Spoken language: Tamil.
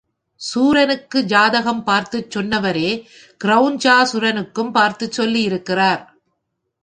சூரனுக்கு ஜாதகம் பார்த்துக் சொன்னவரே கிரெளஞ்சாசுரனுக்கும் பார்த்துச் சொல்லியிருக்கிறார்.